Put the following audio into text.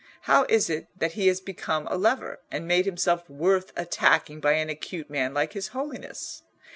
How is it that he has become a lever, and made himself worth attacking by an acute man like his Holiness?